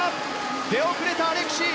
出遅れたアレクシー。